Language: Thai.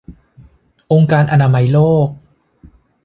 องค์การอนามัยโลก